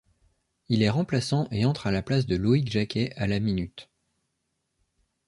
Il est remplaçant et entre à la place de Loïc Jacquet à la minute.